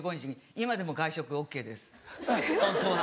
今でも外食ＯＫですホントは。